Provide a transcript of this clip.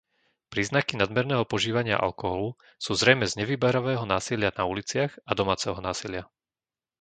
Príznaky nadmerného požívania alkoholu sú zrejmé z nevyberavého násilia na uliciach a domáceho násilia.